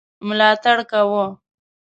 ملاتړ کاوه.